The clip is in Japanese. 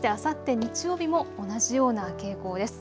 そしてあさって日曜日も同じような傾向です。